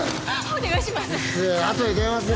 お願いします！